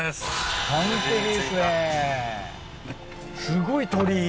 すごい鳥居。